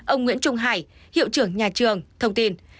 ông nguyễn trung hải hiệu trưởng nhà trường thông tin